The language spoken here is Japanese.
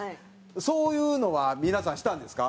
そういうのは皆さんしたんですか？